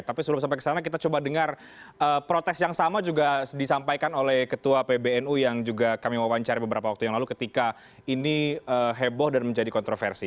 tapi sebelum sampai ke sana kita coba dengar protes yang sama juga disampaikan oleh ketua pbnu yang juga kami wawancari beberapa waktu yang lalu ketika ini heboh dan menjadi kontroversi